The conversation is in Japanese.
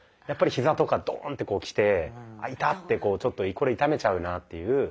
やっぱりヒザとかドンってきて「あっ痛」ってちょっとこれ痛めちゃうなっていう